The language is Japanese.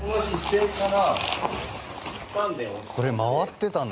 これ回ってたんだ。